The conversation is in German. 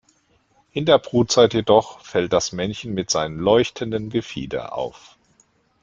In der Brutzeit jedoch fällt das Männchen mit seinem leuchtenden Gefieder auf.